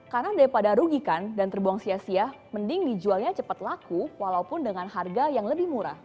karena daripada rugikan dan terbuang sia sia mending dijualnya cepet laku walaupun dengan harga yang lebih murah